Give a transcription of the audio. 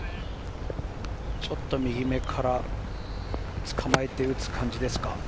ちょっと右めから捕まえて打つ感じですか。